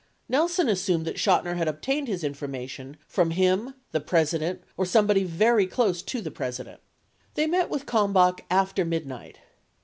82 Nelson assumed that Chotiner had obtained his information "from him, the President, or somebody very close to the President." 83 They met with Kalmbach after midnight.